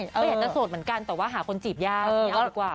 ก็อยากจะโสดเหมือนกันแต่ว่าหาคนจีบยากไม่เอาดีกว่า